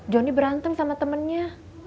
johnny berantem sama temennya